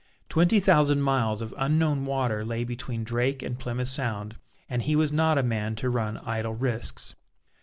Twenty thousand miles of unknown water lay between Drake and Plymouth Sound, and he was not a man to run idle risks.